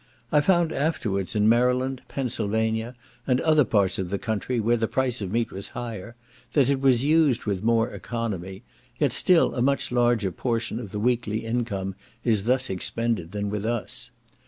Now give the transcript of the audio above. I found afterwards in Maryland, Pennsylvania, and other parts of the country, where the price of meat was higher, that it was used with more economy; yet still a much larger portion of the weekly income is thus expended than with us.